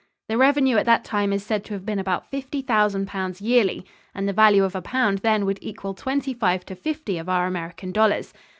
The revenue at that time is said to have been about fifty thousand pounds yearly and the value of a pound then would equal twenty five to fifty of our American dollars.